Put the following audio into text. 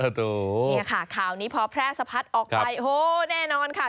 นี่ค่ะข่าวนี้พอแพร่สะพัดออกไปโอ้แน่นอนค่ะ